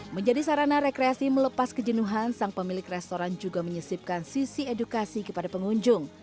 menjadi sarana rekreasi melepas kejenuhan sang pemilik restoran juga menyesipkan sisi edukasi kepada pengunjung